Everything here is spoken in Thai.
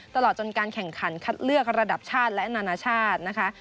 ตลอดจนการแข่งขันคัดเลือกระดับชาติและนานาชาตินะคะ